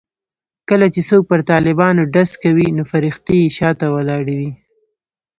کله چې څوک پر طالبانو ډز کوي نو فرښتې یې شا ته ولاړې وي.